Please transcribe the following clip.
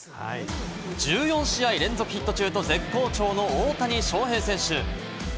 １４試合連続ヒット中と、絶好調の大谷翔平選手。